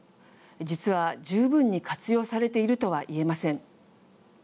実は十分に活用されているとは言えません。